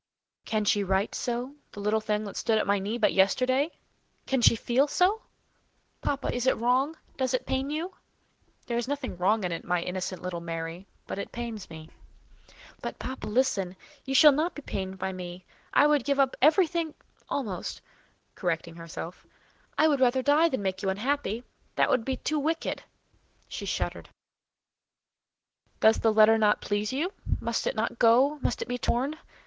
"Can she write so—the little thing that stood at my knee but yesterday? Can she feel so?" "Papa, is it wrong? Does it pain you?" "There is nothing wrong in it, my innocent little Mary; but it pains me." "But, papa, listen! You shall not be pained by me. I would give up everything—almost" (correcting herself); "I would die rather than make you unhappy; that would be too wicked!" She shuddered. "Does the letter not please you? Must it not go? Must it be torn?